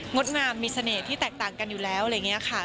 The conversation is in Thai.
ดงามมีเสน่ห์ที่แตกต่างกันอยู่แล้วอะไรอย่างนี้ค่ะ